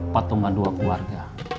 patungan dua keluarga